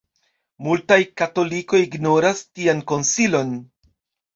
Multaj katolikoj ignoras tian konsilon.